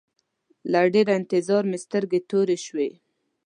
له ډېره انتظاره مې سترګې تورې شوې.